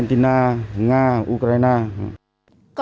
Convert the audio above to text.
còn đây là nhóm đối tượng chuyên hoạt động môi giới mạng dâm qua zalo